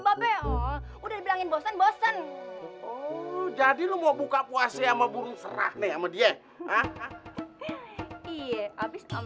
babi udah dibilangin bosan bosen jadi lu mau buka puasa sama burung serak nih sama dia iya abis om